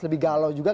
lebih galau juga